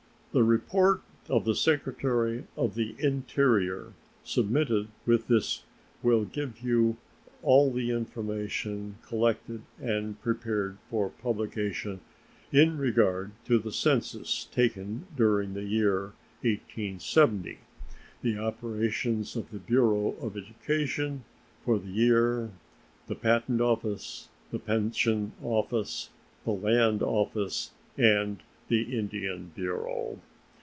The report of the Secretary of the Interior submitted with this will give you all the information collected and prepared for publication in regard to the census taken during the year 1870; the operations of the Bureau of Education for the year; the Patent Office; the Pension Office; the Land Office, and the Indian Bureau.